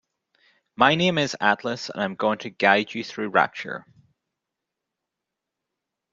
My name is Atlas and I'm going to guide you through Rapture.